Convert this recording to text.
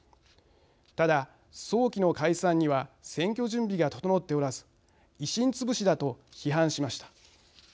ただ、早期の解散には選挙準備が整っておらず維新つぶしだと批判しました。